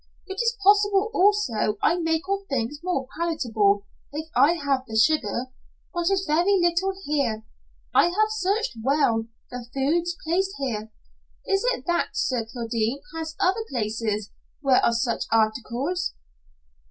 It is possible also I make of things more palatable if I have the sugar, but is very little here. I have searched well, the foods placed here. Is it that Sir Kildene has other places where are such articles?"